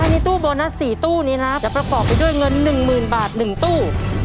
ในตู้โบนัส๔ตู้นี้นะครับจะประกอบไปด้วยเงิน๑๐๐๐บาท๑ตู้